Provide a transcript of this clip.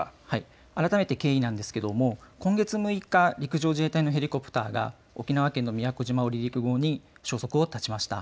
はい、改めて経緯なんですけども今月６日陸上自衛隊のヘリコプターが沖縄県の宮古島を離陸後に消息を絶ちました。